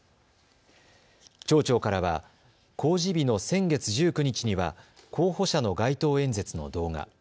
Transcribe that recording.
町長からは公示日の先月１９日には候補者の街頭演説の動画。